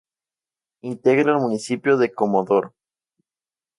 Integra el municipio de Comodoro.